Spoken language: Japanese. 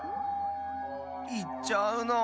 いっちゃうの？